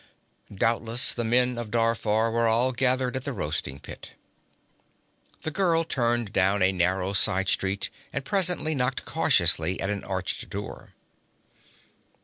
Doubtless the men of Darfar were all gathered at the roasting pit. The girl turned down a narrow side street, and presently knocked cautiously at an arched door.